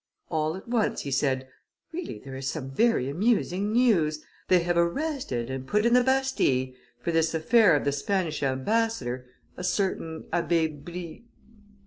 "All at once he said, 'Really there is some very amusing news: they have arrested and put in the Bastille, for this affair of the Spanish ambassador, a certain Abbe Bri .